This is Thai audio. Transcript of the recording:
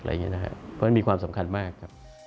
เพราะฉะนั้นมีความสำคัญมากครับ